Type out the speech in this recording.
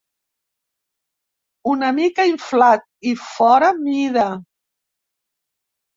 Una mica inflat i fora mida.